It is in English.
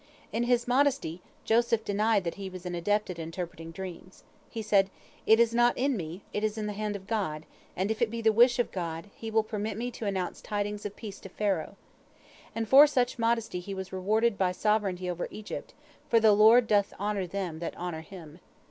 " In his modesty Joseph denied that he was an adept at interpreting dreams. He said, "It is not in me; it is in the hand of God, and if it be the wish of God, He will permit me to announce tidings of peace to Pharaoh." And for such modesty he was rewarded by sovereignty over Egypt, for the Lord doth honor them that honor Him.